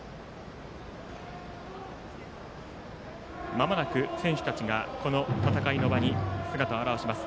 まもなく選手たちがこの戦いの場に姿を現します。